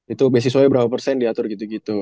itu beasiswanya berapa persen diatur gitu gitu